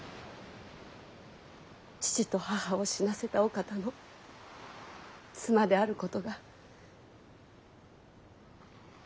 父と母を死なせたお方の妻であることが。